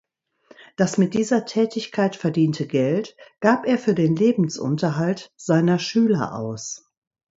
Das mit dieser Tätigkeit verdiente Geld gab er für den Lebensunterhalt seiner Schüler aus.